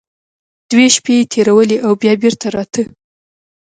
دوې شپې يې تېرولې او بيا بېرته راته.